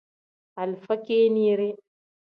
Alifa kinide.